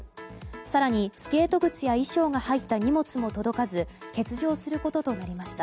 更に、スケート靴や衣装が入った荷物も届かず欠場することとなりました。